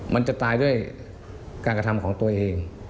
มันจะตายด้วยการกระทำของตัวเอง